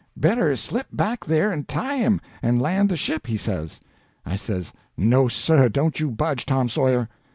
"Better slip back there and tie him, and land the ship," he says. I says: "No, sir! Don' you budge, Tom Sawyer."